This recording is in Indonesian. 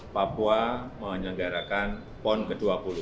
papua menyelenggarakan pon ke dua puluh